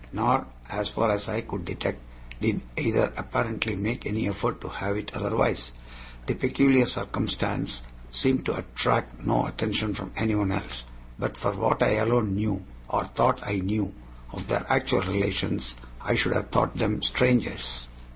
Nor, as far as I could detect, did either apparently make any effort to have it otherwise. The peculiar circumstance seemed to attract no attention from anyone else. But for what I alone knew or thought I knew of their actual relations, I should have thought them strangers.